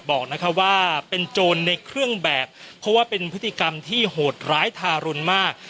บอกว่าเป็นโจรในเครื่องแบบเพราะว่าเป็นพฤติกรรมที่โหดร้ายทารุณมาก